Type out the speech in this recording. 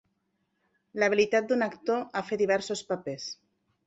L'habilitat d'un actor a fer diversos papers.